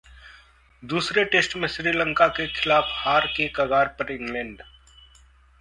दूसरे टेस्ट में श्रीलंका के खिलाफ हार के कगार पर इंग्लैंड